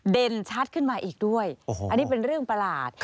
เด่นชัดขึ้นมาอีกด้วยอันนี้เป็นเรื่องประหลาด